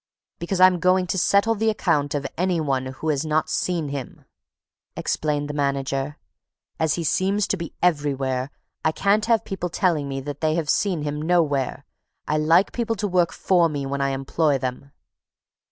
"Because I'm going to settle the account of any one who has not seen him!" explained the manager. "As he seems to be everywhere, I can't have people telling me that they see him nowhere. I like people to work for me when I employ them!"